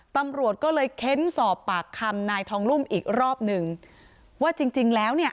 ตำรวจก็เลยเค้นสอบปากคำนายทองลุ่มอีกรอบหนึ่งว่าจริงจริงแล้วเนี่ย